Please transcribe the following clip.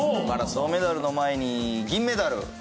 銅メダルの前に銀メダル。